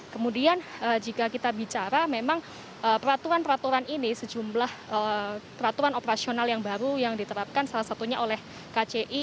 kemudian jika kita bicara memang peraturan peraturan ini sejumlah peraturan operasional yang baru yang diterapkan salah satunya oleh kci